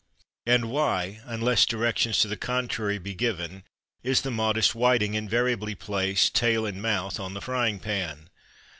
And why, unless directions to the contrary be given, is the modest whiting invariably placed, tail in mouth, on the frying pan?